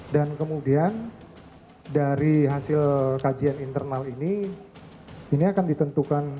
dan kemudian dari hasil kajian internal ini ini akan ditentukan